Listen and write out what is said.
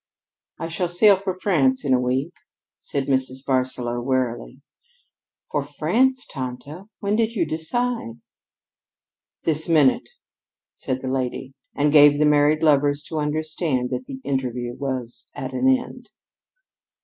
"I shall sail for France in a week," said Mrs. Barsaloux wearily. "For France, tante? When did you decide?" "This minute," said the lady, and gave the married lovers to understand that the interview was at an end.